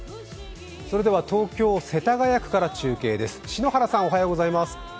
それでは東京・世田谷区から中継です。